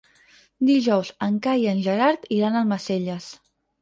Dijous en Cai i en Gerard iran a Almacelles.